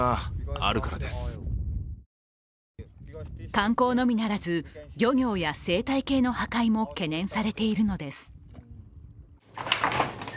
観光のみならず、漁業や生態系の破壊も懸念されているのです。